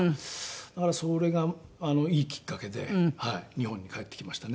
だからそれがいいきっかけで日本に帰ってきましたね。